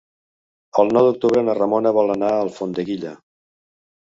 El nou d'octubre na Ramona vol anar a Alfondeguilla.